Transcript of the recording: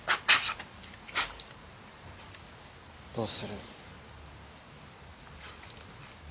どうする？